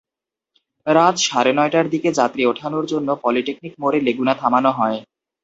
রাত সাড়ে নয়টার দিকে যাত্রী ওঠানোর জন্য পলিটেকনিক মোড়ে লেগুনা থামানো হয়।